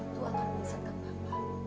itu akan menyesatkan bapak